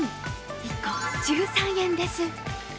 １個１３円です。